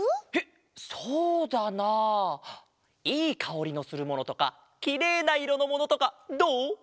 えっそうだなあいいかおりのするものとかきれいないろのものとかどう？